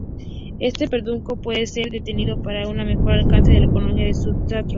Este pedúnculo puede ser distendido para mejor anclaje de la colonia en el sustrato.